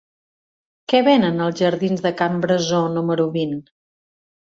Què venen als jardins de Can Brasó número vint?